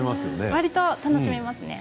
わりと楽しめますね。